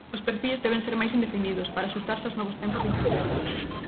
Os perfís deben ser máis indefinidos para axustarse aos novos tempos de incerteza.